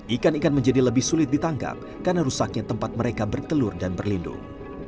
ikan ikan menjadi lebih sulit ditangkap karena rusaknya tempat mereka bertelur dan berlindung